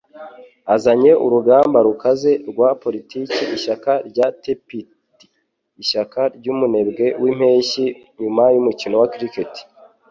Azanye urugamba rukaze rwa politiki ishyaka rya tepid ishyaka ryumunebwe wimpeshyi nyuma yumukino wa cricket